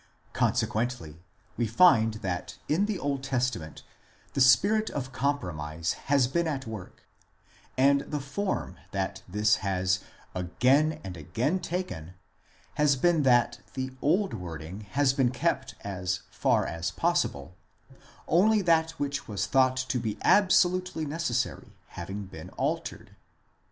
Consequently we find that in the Old Testament the spirit of compromise has been at work ; and the form that this has again and again taken has been that the old wording has been kept as far as possible, only that which was thought to be absolutely necessary having been altered.